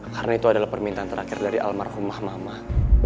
karena itu adalah permintaan terakhir dari almarhum mahmah